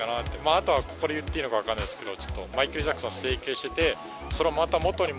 あとはここで言っていいのか分かんないですけど。